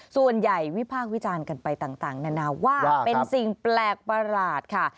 วิพากษ์วิจารณ์กันไปต่างนานาว่าเป็นสิ่งแปลกประหลาดค่ะ